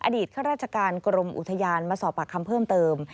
ข้าราชการกรมอุทยานมาสอบปากคำเพิ่มเติม